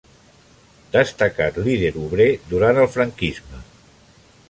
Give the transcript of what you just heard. Destacat líder obrer durant el franquisme.